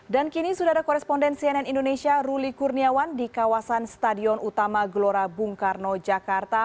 dan kini sudah ada koresponden cnn indonesia ruli kurniawan di kawasan stadion utama gelora bung karno jakarta